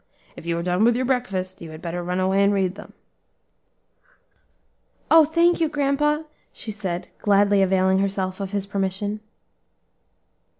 if you are done your breakfast, you had better run away and read them." "Oh! thank you, grandpa," she said, gladly availing herself of his permission.